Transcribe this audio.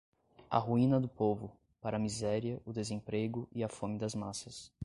a ruína do povo, para a miséria, o desemprego e a fome das massas